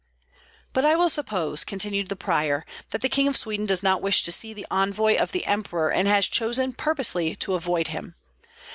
"But I will suppose," continued the prior, "that the King of Sweden does not wish to see the envoy of the emperor and has chosen purposely to avoid him.